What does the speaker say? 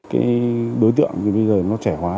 cái đối tượng thì bây giờ nó trẻ hóa